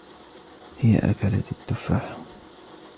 هي أكلت التفاحة.